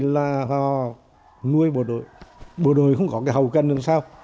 là họ nuôi bộ đội bộ đội không có cái hậu cần làm sao